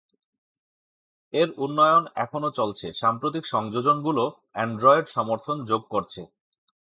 এর উন্নয়ন এখনও চলছে, সাম্প্রতিক সংযোজনগুলো অ্যান্ড্রয়েড সমর্থন যোগ করছে।